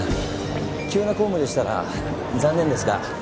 急な公務でしたら残念ですが。